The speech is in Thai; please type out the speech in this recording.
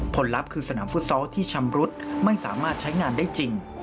ลับคือสนามฟุตซอลที่ชำรุดไม่สามารถใช้งานได้จริง